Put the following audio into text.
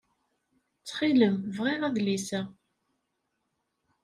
Ttxil-m bɣiɣ adlis-a.